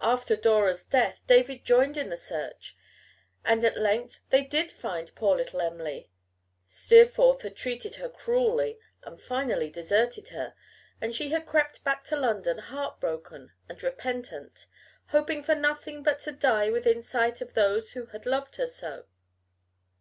After Dora's death David joined in the search, and at length they did find poor little Em'ly. Steerforth had treated her cruelly and finally deserted her, and she had crept back to London heartbroken and repentant, hoping for nothing but to die within sight of those who had loved her so.